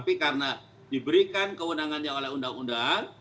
tapi karena diberikan kewenangannya oleh undang undang